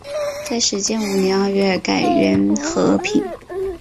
在建始五年二月改元河平。